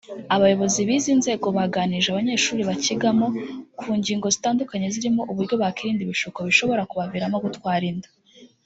Abayobozi b’izi nzego baganirije abanyeshuri bakigamo ku ngingo zitandukanye zirimo uburyo bakwirinda ibishuko bishobora kubaviramo gutwara inda